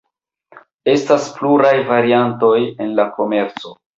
Estas pluraj variantoj en la komerco.